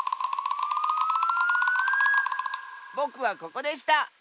ぼくはここでした！